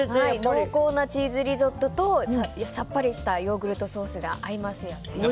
濃厚なチーズリゾットとさっぱりしたヨーグルトソースが合いますよね。